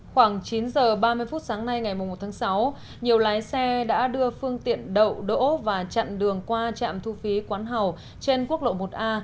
khoảng chín h ba mươi phút sáng nay ngày một tháng sáu nhiều lái xe đã đưa phương tiện đậu đỗ và chặn đường qua trạm thu phí quán hào trên quốc lộ một a